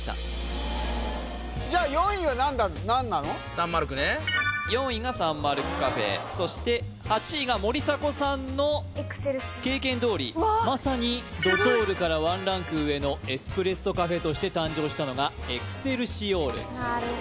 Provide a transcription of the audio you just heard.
サンマルクね４位がサンマルクカフェそして８位が森迫さんの経験どおりうわすごいまさにドトールからワンランク上のエスプレッソカフェとして誕生したのがエクセルシオールすげえな店長と喋んだね